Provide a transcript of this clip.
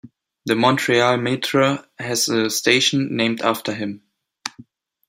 The Montreal Metro has a station named after him.